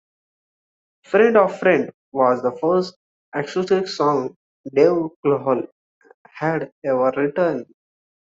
"Friend of a Friend" was the first acoustic song Dave Grohl had ever written.